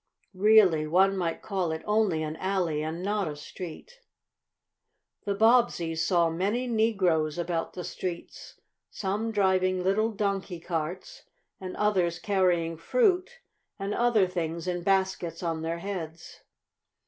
Really, one might call it only an alley, and not a street. The Bobbseys saw many negroes about the streets, some driving little donkey carts, and others carrying fruit and other things in baskets on their heads.